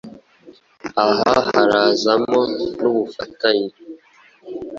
Aha harazamo n ubufatanye